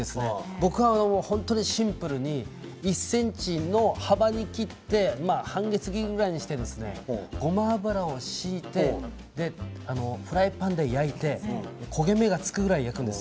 僕は本当にシンプルに１ｃｍの幅に切って半月切りぐらいにしてごま油を引いてフライパンで焦げ目がつくぐらい焼くんです。